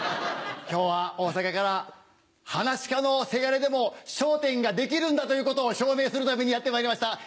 今日は大阪から噺家のせがれでも『笑点』ができるんだということを証明するためにやってまいりました。